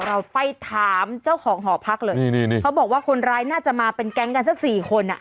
เราไปถามเจ้าของหอพักเลยนี่นี่เขาบอกว่าคนร้ายน่าจะมาเป็นแก๊งกันสักสี่คนอ่ะ